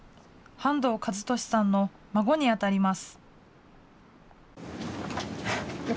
半藤一利さんの孫に当たります。